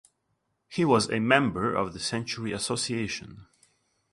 He was a member of the Century Association.